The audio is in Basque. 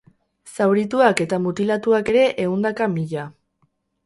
Zaurituak eta mutilatuak ere ehundaka mila.